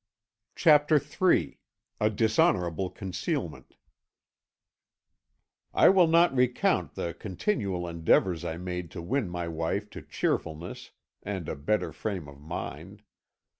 CHAPTER III A DISHONOURABLE CONCEALMENT "I will not recount the continual endeavours I made to win my wife to cheerfulness and a better frame of mind.